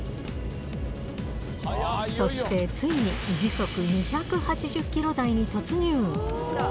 そしてついに時速２８０キロ台に突入。